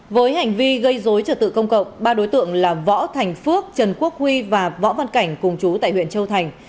với hành vi gây dối trật tự công cộng ba đối tượng là võ thành phước trần quốc huy và võ văn cảnh cùng chú tại huyện châu thành